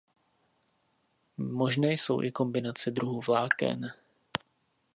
Možné jsou i kombinace druhů vláken.